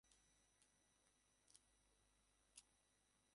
যাঁরা চিনি ব্যবহার করতে চান, বাগার দেওয়ার সময় চিনিটা দিতে পারেন।